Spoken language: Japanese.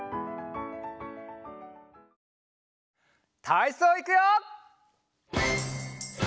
たいそういくよ！